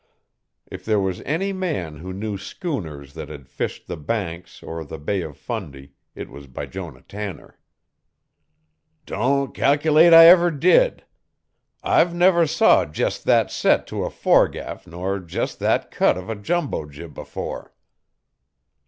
If there was any man who knew schooners that had fished the Banks or the Bay of Fundy, it was Bijonah Tanner. "Don't cal'late I ever did. I've never saw jest that set to a foregaff nor jest that cut of a jumbo jib afore."